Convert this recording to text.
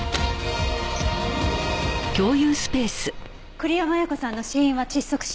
栗山彩子さんの死因は窒息死。